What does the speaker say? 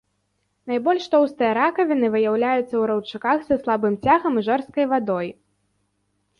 Найбольш тоўстыя ракавіны выяўляюцца ў раўчуках са слабым цягам і жорсткай вадой.